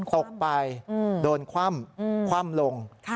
ตกไปโดนคว่ำคว่ำลง